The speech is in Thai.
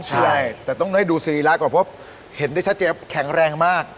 ใช่แต่ต้องให้ดูศรีราค่ะเพราะว่าเห็นได้ชัดเจ็บแข็งแรงมาก